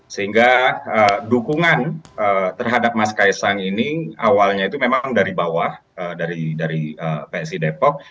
sehingga dukungan terhadap mas kaisang ini awalnya itu memang dari bawah dari psi depok